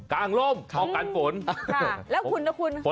กางรมน้องแต่พอน